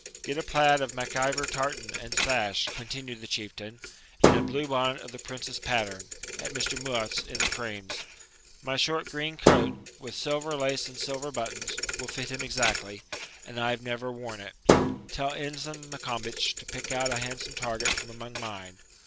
'Get a plaid of Mac Ivor tartan and sash,' continued the Chieftain, 'and a blue bonnet of the Prince's pattern, at Mr. Mouat's in the Crames. My short green coat, with silver lace and silver buttons, will fit him exactly, and I have never worn it. Tell Ensign Maccombich to pick out a handsome target from among mine.